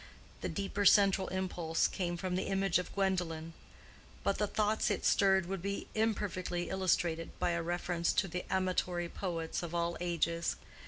The deeper central impulse came from the image of Gwendolen; but the thoughts it stirred would be imperfectly illustrated by a reference to the amatory poets of all ages.